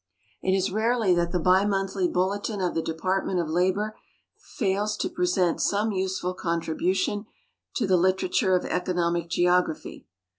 It is rarely that the bimonthly Bulletin of the l>epartiiU'tU of Lalior fails to present some useful contribution to the literature of economic geography.